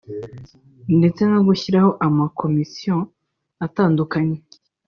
ndetse no gushyiraho ama “commissions” atandukanye